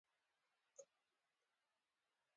ږغ يې ټيټ کړ ګوره چې امنيت والا خبر نسي.